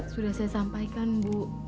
sudah saya sampaikan bu